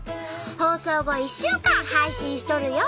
放送後１週間配信しとるよ！